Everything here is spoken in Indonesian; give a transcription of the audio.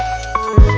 terima kasih ya allah